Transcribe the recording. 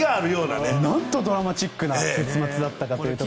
なんとドラマチックな結末だったかという。